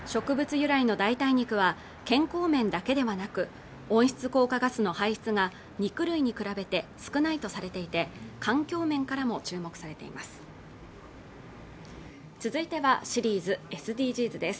由来の代替肉は健康面だけではなく温室効果ガスの排出が肉類に比べて少ないとされていて環境面からも注目されています